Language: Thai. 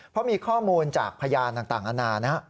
เพราะมีข้อมูลจากพยานต่างอาณานะครับ